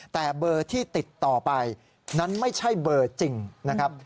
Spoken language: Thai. แต่เบอร์ที่ติดต่อไปนั้นไม่ใช่เบอร์จริงนะครับ